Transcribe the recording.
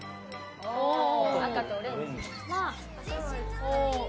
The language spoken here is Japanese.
赤とオレンジ。